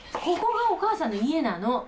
ここがお母さんの家なの。